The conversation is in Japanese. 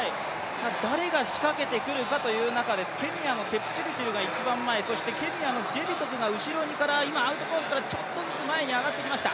誰が仕掛けてくるかという中です、ケニアの選手が一番前、そしてケニアのジェビトクが後ろから、アウトコースからちょっとずつ前に上がってきました。